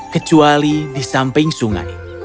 kecuali di samping sungai